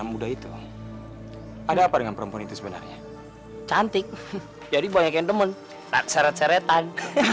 muda itu ada apa dengan perempuan itu sebenarnya cantik jadi banyak yang nemun seret seretan